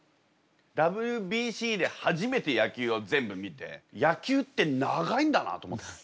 ＷＢＣで初めて野球を全部見て野球って長いんだなと思った。